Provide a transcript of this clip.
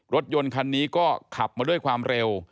รถยนต์คันนี้ก็ขับมาด้วยความเร็ว